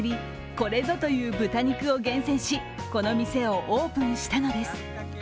これぞという豚肉を厳選し、この店をオープンしたのです。